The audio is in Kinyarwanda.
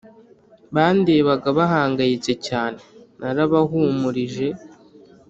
bandebaga bahangayitse cyane Narabahumurije